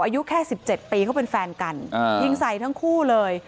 อายุแค่๑๗ปีเขาเป็นแฟนกันยิงใส่ทั้งคู่เลย